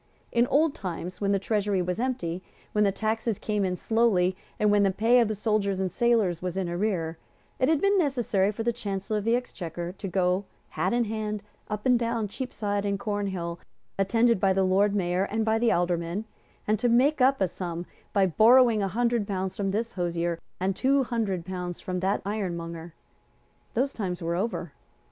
In old times, when the Treasury was empty, when the taxes came in slowly, and when the pay of the soldiers and sailors was in arrear, it had been necessary for the Chancellor of the Exchequer to go, hat in hand, up and down Cheapside and Cornhill, attended by the Lord Mayor and by the Aldermen, and to make up a sum by borrowing a hundred pounds from this hosier, and two hundred pounds from that ironmonger. Those times were over.